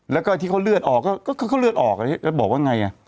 แล้วก็ที่เขาเลือดออกก็เลือดออกแล้วบอกว่าไง